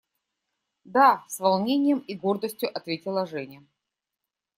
– Да! – с волнением и гордостью ответила Женя.